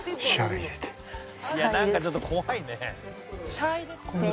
「なんかちょっと怖いね」